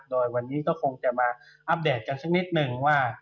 โดยวันนี้ก็คงจะมาอัปเดตกันสักนิดนึงว่า